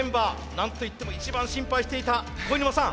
何といっても一番心配していた肥沼さん